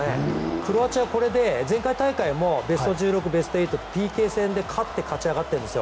クロアチア、これで前回大会もベスト８、ベスト１６ＰＫ戦で勝って勝ち上がってるんですよ。